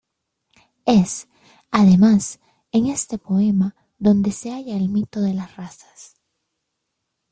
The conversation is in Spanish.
Es, además, en este poema donde se halla el mito de las razas.